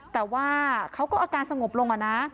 แต่ว่าเขาก็อาการสงบลงอะนะ